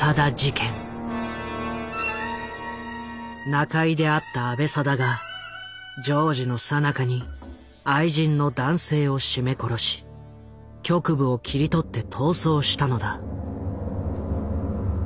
仲居であった阿部定が情事のさなかに愛人の男性を絞め殺し局部を切り取って逃走したのだ。